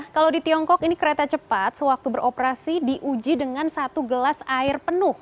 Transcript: kalau di tiongkok ini kereta cepat sewaktu beroperasi diuji dengan satu gelas air penuh